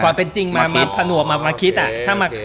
ความเป็นจริงมามาคิดอะ